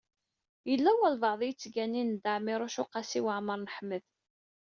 Yella walebɛaḍ i yettganin Dda Ɛmiiruc u Qasi Waɛmer n Ḥmed.